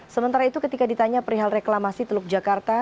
sementara itu ketika ditanya perihal reklamasi teluk jakarta